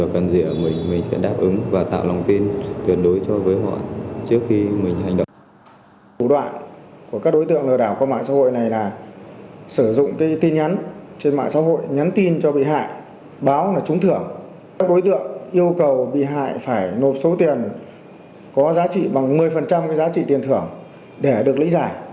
các đối tượng yêu cầu bị hại phải nộp số tiền có giá trị bằng một mươi giá trị tiền thưởng để được lý giải